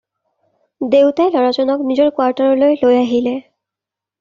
দেউতাই ল'ৰাজনক নিজৰ কোৱাৰ্টাৰলৈ লৈ আহিলে।